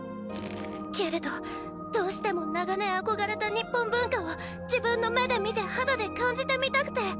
けれどどうしても長年憧れた日本文化を自分の目で見て肌で感じてミタクテ。